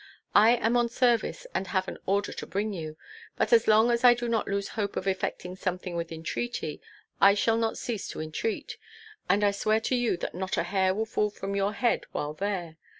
I am on service, and have an order to bring you; but as long as I do not lose hope of effecting something with entreaty, I shall not cease to entreat, and I swear to you that not a hair will fall from your head while there.